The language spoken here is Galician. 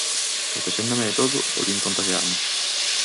Protexéndome e todo, volvín contaxiarme.